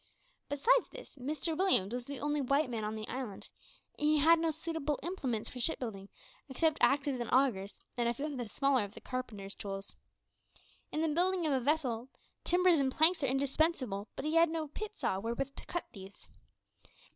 Besides this, Mr Williams was the only white man on the island, and he had no suitable implements for shipbuilding, except axes and augurs, and a few of the smaller of the carpenter's tools. In the building of a vessel, timbers and planks are indispensable, but he had no pit saw wherewith to cut these.